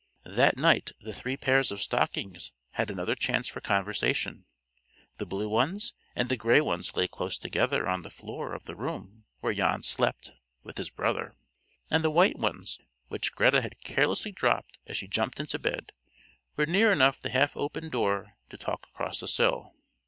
That night the three pairs of stockings had another chance for conversation. The blue ones and the gray ones lay close together on the floor of the room where Jan slept with his brother, and the white ones, which Greta had carelessly dropped as she jumped into bed, were near enough the half opened door to talk across the sill.